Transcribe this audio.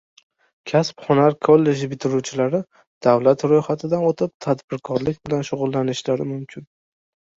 Kasb-hunar kolleji bitiruvchilari davlat roʻyxatidan oʻtib tadbirkorlik bilan shugʻullanishlari mumkin.